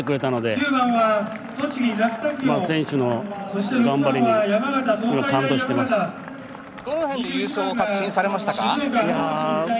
どの辺で、優勝を確信されましたか？